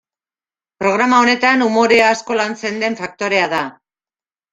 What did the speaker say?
Programa honetan, umorea asko lantzen den faktorea da.